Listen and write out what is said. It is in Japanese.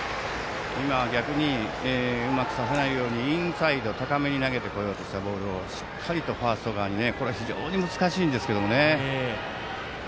今、逆にうまくさせないようにインサイド、高めに投げてこようとしたボールをしっかりとファースト側にこれ非常に難しいんですけどね。